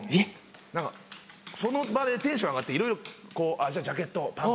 何かその場でテンション上がって「じゃあジャケットパンツ。